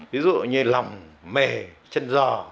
ví dụ như lòng mề chân giò